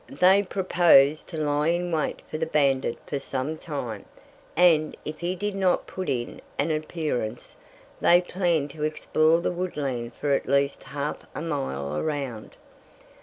They proposed to lie in wait for the bandit for some time, and, if he did not put in an appearance, they planned to explore the woodland for at least half a mile around.